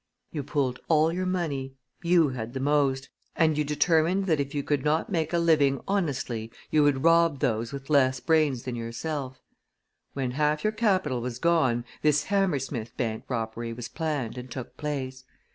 "You pooled all your money you had the most and you determined that if you could not make a living honestly you would rob those with less brains than yourself. When half your capital was gone, this Hammersmith bank robbery was planned and took place.